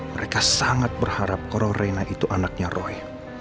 mereka sangat berharap kalau rena itu anaknya roy